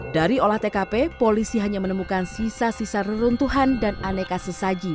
dari olah tkp polisi hanya menemukan sisa sisa reruntuhan dan aneka sesaji